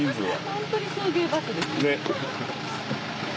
本当に送迎バスですね。